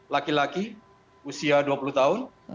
laki laki usia dua puluh tahun